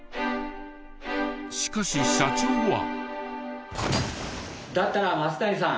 しかし社長は。